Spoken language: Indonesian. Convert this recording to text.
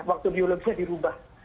waktu biologisnya dirubah